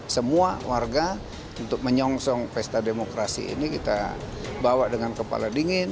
semua warga untuk menyongsong pesta demokrasi ini kita bawa dengan kepala dingin